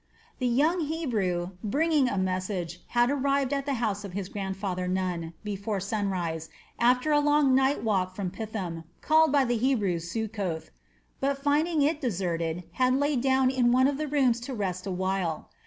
The young Hebrew, bringing a message, had arrived at the house of his grandfather Nun, before sunrise, after a long night walk from Pithom, called by the Hebrews Succoth, but finding it deserted had lain down in one of the rooms to rest a while.